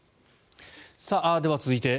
では続いて。